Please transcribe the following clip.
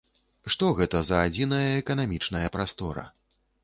Што гэта за адзіная эканамічная прастора?